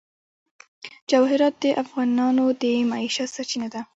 جواهرات د افغانانو د معیشت سرچینه ده.